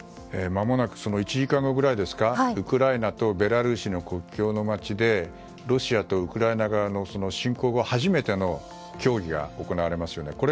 まもなく１時間後ぐらいですかウクライナとベラルーシの国境の街でロシアとウクライナ側の侵攻後初めての協議が行われますよね。